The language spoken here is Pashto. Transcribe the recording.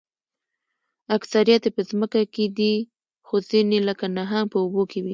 اکثریت یې په ځمکه دي خو ځینې لکه نهنګ په اوبو کې وي